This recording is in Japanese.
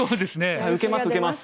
受けます受けます。